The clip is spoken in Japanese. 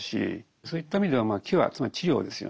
そういった意味ではキュアつまり治療ですよね